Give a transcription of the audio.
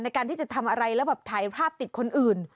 ในการที่จะทำอะไรแล้วแบบถ่ายภาพติดคนอื่น